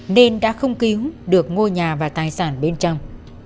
nên đã không cứu được ngôi nhà và tài sản bên trong